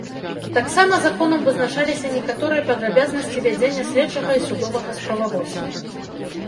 Таксама законам вызначаліся некаторыя падрабязнасці вядзення следчага і судовага справаводства.